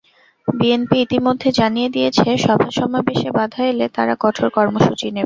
BNP ইতিমধ্যে জানিয়ে দিয়েছে, সভাসমাবেশে বাধা এলে তারা কঠোর কর্মসূচি নেবে।